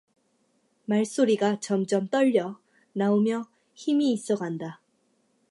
말소리가 점점 떨려 나오며 힘이 있어 간다.